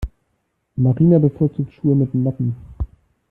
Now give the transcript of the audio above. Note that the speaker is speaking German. Marina bevorzugt Schuhe mit Noppen.